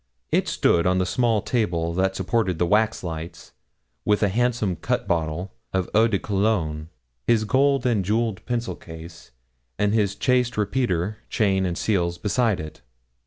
It stood on the small table that supported the waxlights, with a handsome cut bottle of eau de cologne, his gold and jewelled pencil case, and his chased repeater, chain, and seals, beside it.